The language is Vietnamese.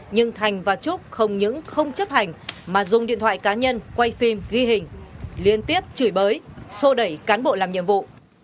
nhưng thành và trúc không những không chấp hành mà dùng điện thoại cá nhân quay phim ghi hình liên tiếp chửi bới sô đẩy cán bộ làm nhiệm vụ